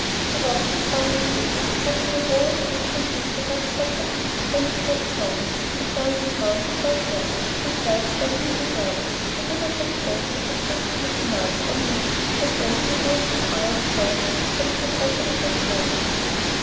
She was at the dining table wrapping a row of books in paper ready for packing, when a step sounded, and glancing round she saw Clarence himself standing in the doorway. He did not look angry, as she had feared he might, or moody; and though he avoided her eye at first, his face was resolute and kind.